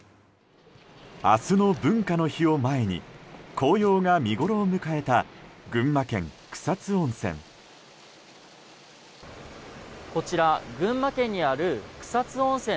明日の文化の日を前に紅葉が見ごろを迎えた群馬県草津温泉。